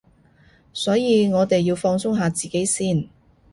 所以我哋要放鬆下自己先